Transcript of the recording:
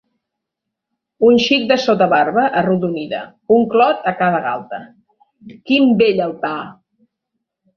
Un xic de sota-barba arrodonida, un clot a cada galta. Quin bell altar!